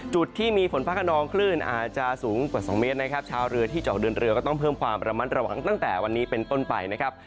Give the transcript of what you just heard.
จุดที่มีฝนฟ้าขนองคลื่นอาจจะสูงกว่า๒เมตรนะครับชาวเรือที่จะออกเดินเรือก็ต้องเพิ่มความระมัดระวังตั้งแต่วันนี้เป็นต้นไปนะครับ